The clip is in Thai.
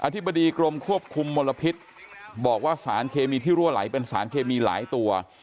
ธิบดีกรมควบคุมมลพิษบอกว่าสารเคมีที่รั่วไหลเป็นสารเคมีหลายตัว